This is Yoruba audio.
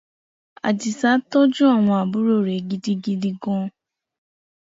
Àdìsá tọ́jú àwọn àbúrò rẹ̀ gidigidi gan.